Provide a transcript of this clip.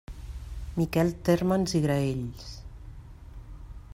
Miquel Térmens i Graells.